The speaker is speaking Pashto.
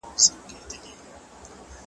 د ډونلډ ټرمپ کاري دوره پای ته نږدې ده